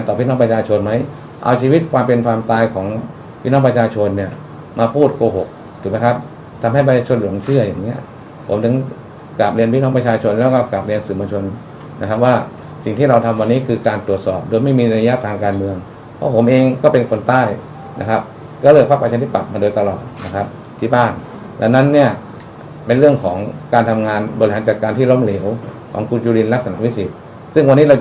กลับเรียนวิทย์ของประชาชนแล้วก็กลับเรียนสื่อมชนนะครับว่าสิ่งที่เราทำวันนี้คือการตรวจสอบโดยไม่มีในยากทางการเมืองเพราะผมเองก็เป็นคนใต้นะครับก็เลือกภาคประชาชนิดปรับมาโดยตลอดนะครับที่บ้านและนั้นเนี่ยเป็นเรื่องของการทำงานบริหารจัดการที่ล้อมเหลวของครูจุลินรักษณะวิสิตซึ่งวันนี้